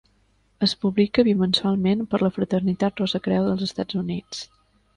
Es publica bimensualment per la Fraternitat Rosacreu dels Estats Units.